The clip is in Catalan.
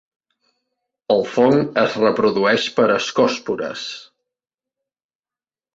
El fong es reprodueix per ascòspores.